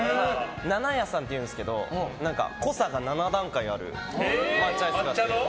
ななやさんっていうんですけど濃さが７段階ある抹茶アイスがあって。